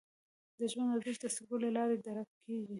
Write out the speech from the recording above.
د ژوند ارزښت د سترګو له لارې درک کېږي